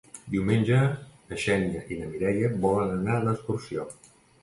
Diumenge na Xènia i na Mireia volen anar d'excursió.